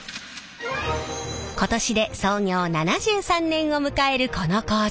今年で創業７３年を迎えるこの工場。